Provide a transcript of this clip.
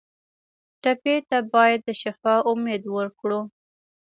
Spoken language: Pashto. ټپي ته باید د شفا امید ورکړو.